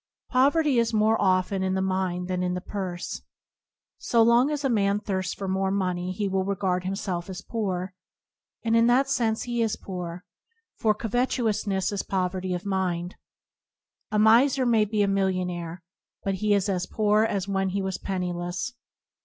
Poverty is more often in the mind than in the purse. So long as a man thirsts for more money he will regard him self as poor, and in that sense he is poor, for covetousness is poverty of mind. A miser may be a millionaire, but he is as poor as when he was penniless.